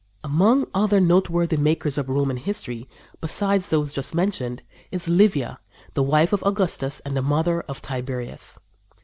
Among other noteworthy makers of Roman history, besides those just mentioned, is Livia, the wife of Augustus and the mother of Tiberius.